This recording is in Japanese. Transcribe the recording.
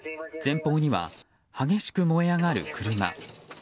前方には、激しく燃え上がる車。